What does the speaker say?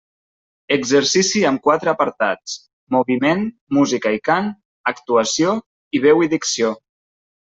Exercici amb quatre apartats: moviment, música i cant, actuació i veu i dicció.